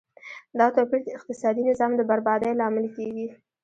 دا توپیر د اقتصادي نظام د بربادۍ لامل کیږي.